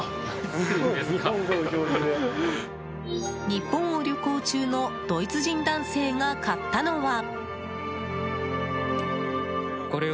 日本を旅行中のドイツ人男性が買ったのは。